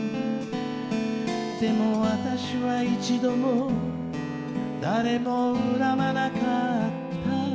でも私は一度も誰も恨まなかった」